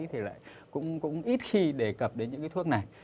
thì lại cũng ít khi đề cập đến những cái thuốc này